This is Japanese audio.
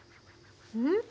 うん？